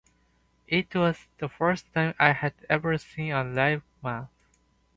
It was the first time I had ever seen a live match.